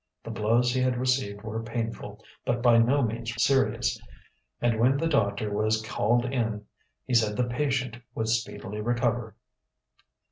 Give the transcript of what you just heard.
The blows he had received were painful, but by no means serious, and when the doctor was called in he said the patient would speedily recover.